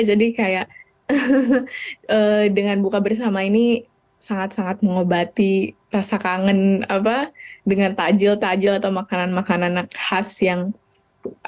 jadi kayak dengan buka bersama ini sangat sangat mengobati rasa kangen apa dengan tajil tajil atau makanan makanan khas yang ada di rumah